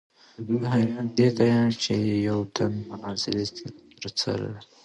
زۀ حېران دې ته يم چې يو تن مناظرې له راځي